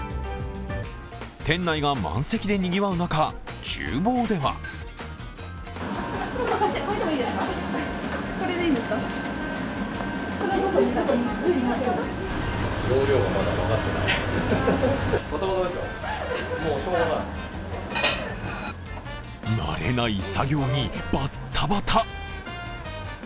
店内が満席で賑わう中、ちゅう房では慣れない作業にバッタバタ。